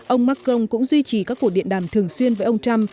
ông macron cũng duy trì các cuộc điện đàm thường xuyên với ông trump